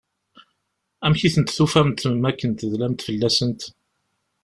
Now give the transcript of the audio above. Amek i tent-tufamt mi akken i tedlamt fell-asent?